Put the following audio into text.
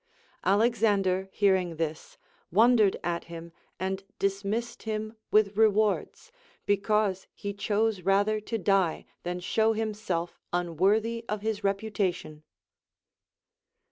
Alexander, hearing this, wondered at him and dis missed him Avith rewards, because he chose rather to die than show himself unworthy of his reputation.